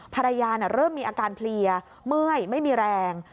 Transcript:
ภรรยาเริ่มมีอาการเพลียเมื่อยไม่มีแรง